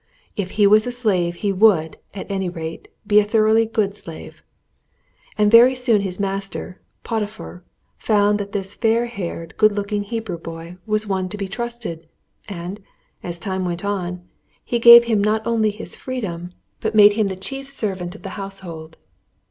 If he was a slave he would, at any rate, be a thoroughly good slave. And very soon his master, Potiphar, found that this fair haired, good looking Hebrew boy was one to be trusted, and, as time went on, he not only gave him his freedom, but made him the chief servant of the house hold.